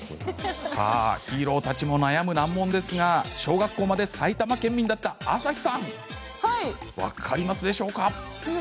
ヒーローたちも悩む難問ですが小学校まで埼玉県民だった朝日さんは当然分かりますよね？